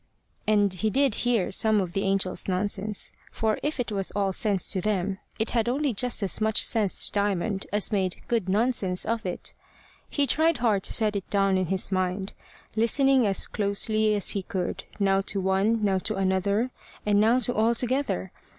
And he did hear some of the angels' nonsense; for if it was all sense to them, it had only just as much sense to Diamond as made good nonsense of it. He tried hard to set it down in his mind, listening as closely as he could, now to one, now to another, and now to all together.